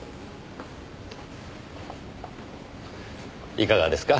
いかがですか？